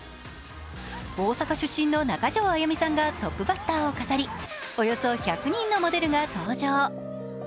大阪出身の中条あやみさんがトップバッターを飾りおよそ１００人のモデルが登場。